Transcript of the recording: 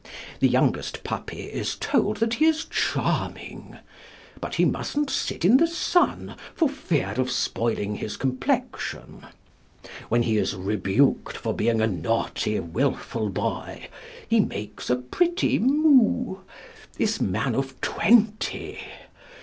The youngest Puppy is told that he is charming; but he mustn't sit in the sun for fear of spoiling his complexion. When he is rebuked for being a naughty, wilful boy, he makes a pretty moue this man of twenty!